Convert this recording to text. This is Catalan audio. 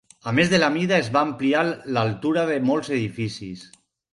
A més de la mida, es va ampliar l'altura de molts edificis.